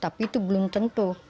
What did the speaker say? tapi itu belum tentu